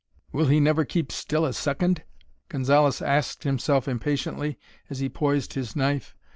"Will he never keep still a second?" Gonzalez asked himself impatiently, as he poised his knife.